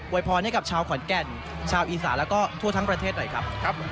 พรให้กับชาวขอนแก่นชาวอีสานแล้วก็ทั่วทั้งประเทศหน่อยครับ